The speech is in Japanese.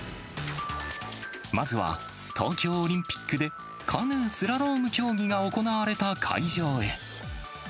まずは、東京オリンピックで、カヌー・スラローム競技が行われた会場へ。